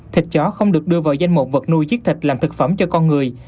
thịt chó không được đưa vào danh mục vật nuôi giết thịt làm thực phẩm cho con người